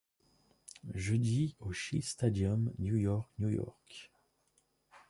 Jeudi au Shea Stadium, New York, New York.